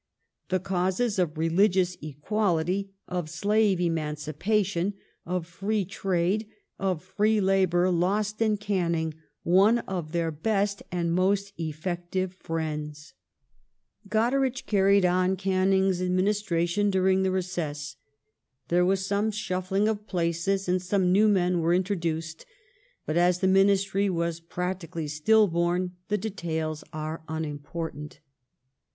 The causes of religious equality, of slave emancipation, of free trade, of free labour lost in Canning one of their best and most effective i]^ friends. Welling Goderich canied on Canning's administration during the recess. ^°?'^ There was some shuffling of places, and some new men were in Minisiry, ■/•. "ii ni 1829 1830 troduced, but as the^ Mniistry w^as practically stiU boni the de tails are unimportant.